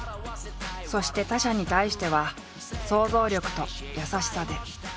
そして他者に対しては「想像力」と「優しさ」で。